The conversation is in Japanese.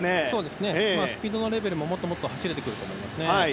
スピードのレベルももっと走れてくると思います。